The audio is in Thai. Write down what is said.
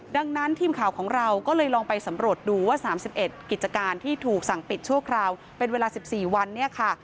ดังนั้นทีมข่าวของเราก็เลยลองไปสำรวจดูว่า๓๑กิจการที่ถูกสั่งปิดชั่วคราวเป็นเวลา๑๔วันเนี่ยค่ะ